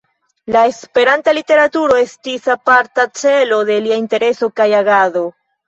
La Esperanta literaturo estis aparta celo de lia intereso kaj agado.